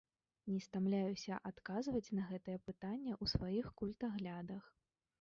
Не стамляюся адказваць на гэтае пытанне ў сваіх культаглядах.